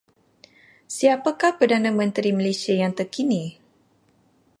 Siapakah Perdana Menteri Malaysia yang terkini?